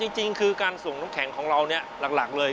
จริงคือการส่งน้ำแข็งของเราหลักเลย